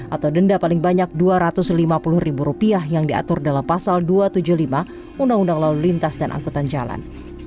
atau denda paling banyak rp dua ratus lima puluh ribu rupiah yang diatur dalam pasal dua ratus tujuh puluh lima undang undang lalu lintas dan angkutan jalan